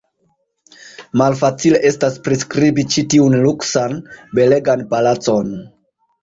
Malfacile estas priskribi ĉi tiun luksan, belegan palacon.